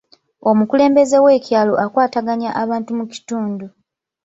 Omukulembeze w'ekyalo akwataganya abantu mu kitundu.